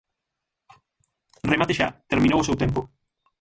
Remate xa, terminou o seu tempo.